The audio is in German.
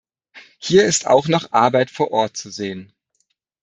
Hier ist auch noch Arbeit vor Ort zu sehen.